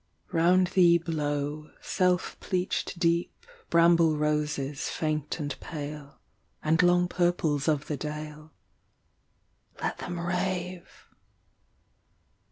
5 Round thee blow, self pleached deep, Bramble roses, faint and pale, And long purples of the dale. Let them rave.